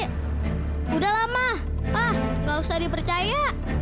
sudah lama pak tidak usah dipercaya